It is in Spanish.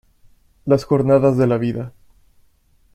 Las jornadas de la vida.